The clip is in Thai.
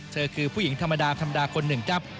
เธอคือผู้หญิงธรรมดาธรรมดาคนหนึ่งครับ